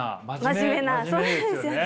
真面目なそうなんですよね。